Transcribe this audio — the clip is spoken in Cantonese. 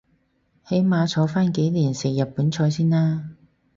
起碼坐返幾年食日本菜先啦